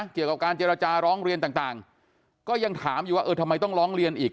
เกี่ยวกับการเจรจาร้องเรียนต่างก็ยังถามอยู่ว่าเออทำไมต้องร้องเรียนอีก